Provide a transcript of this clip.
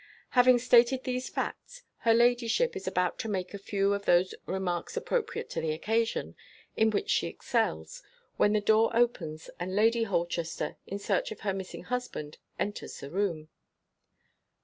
Having stated these facts, her ladyship is about to make a few of those "remarks appropriate to the occasion," in which she excels, when the door opens; and Lady Holchester, in search of her missing husband, enters the room.